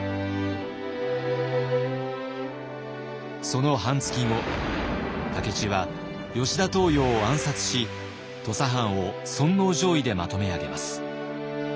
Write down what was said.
その半月後武市は吉田東洋を暗殺し土佐藩を尊皇攘夷でまとめ上げます。